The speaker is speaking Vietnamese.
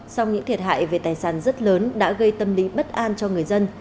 sau những thiệt hại về tài sản rất lớn đã gây tâm lý bất an cho người dân